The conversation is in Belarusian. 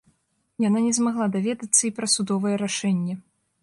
Яна не змагла даведацца і пра судовае рашэнне.